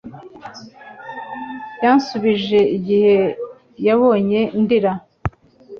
Yansubije igihe yambonye ndira